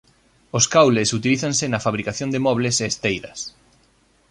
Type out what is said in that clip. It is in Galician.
Os caules utilízanse na fabricación de mobles e esteiras.